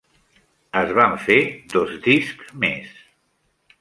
Es van fer dos discs més.